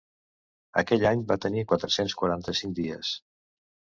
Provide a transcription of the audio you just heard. Aquell any va tenir quatre-cents quaranta-cinc dies.